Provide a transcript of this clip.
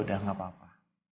udah gak apa apa